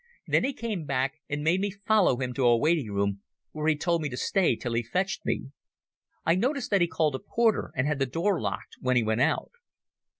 Then he came back and made me follow him to a waiting room, where he told me to stay till he fetched me. I noticed that he called a porter and had the door locked when he went out.